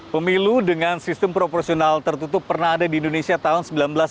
pemilu dengan sistem proporsional tertutup pernah ada di indonesia tahun seribu sembilan ratus sembilan puluh